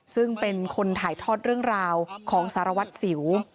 ซึ่งเป็นคนถ่ายทอดเรื่องราวของสารวัตรสิว